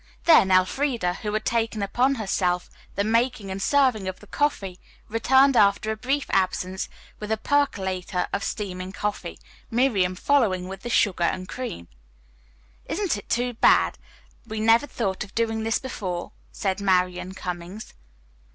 Then Elfreda, who had taken upon herself the making and serving of the coffee, returned after a brief absence with a percolator of steaming coffee, Miriam following with the sugar and cream. "Isn't it too bad we never thought of doing this before?" said Marian Cummings.